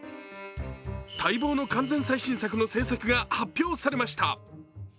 待望の完全最新作の制作が発表されました。